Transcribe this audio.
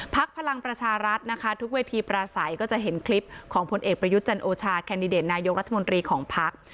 พลังประชารัฐนะคะทุกเวทีปราศัยก็จะเห็นคลิปของผลเอกประยุทธ์จันโอชาแคนดิเดตนายกรัฐมนตรีของพัก